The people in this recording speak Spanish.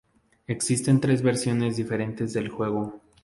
Existen tres versiones diferentes del juego.